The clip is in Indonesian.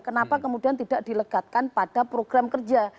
kenapa kemudian tidak dilegatkan pada program kerja